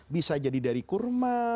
bisa jadi dari kurma